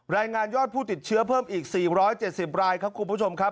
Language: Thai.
รายงานยอดผู้ติดเชื้อเพิ่มอีก๔๗๐รายครับคุณผู้ชมครับ